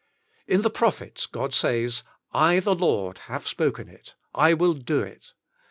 In the prophets, God says, "I the Lord have spoken it; I Will Do It.''